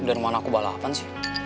udah rumah anakku balapan sih